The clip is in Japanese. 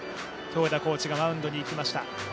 豊田コーチがマウンドに行きました。